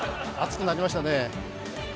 暑くなりましたね。